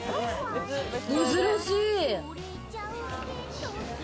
珍しい。